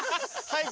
はい。